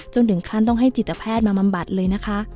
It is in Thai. ถึงขั้นต้องให้จิตแพทย์มาบำบัดเลยนะคะ